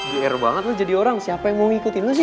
biar banget loh jadi orang siapa yang mau ngikutin itu sih